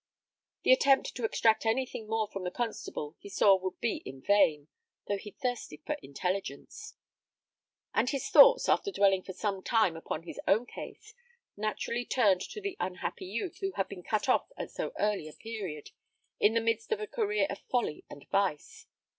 The attempt to extract anything more from the constable he saw would be in vain, though he thirsted for intelligence; and his thoughts, after dwelling for some time upon his own case, naturally turned to the unhappy youth who had been cut off at so early a period, in the midst of a career of folly and vice.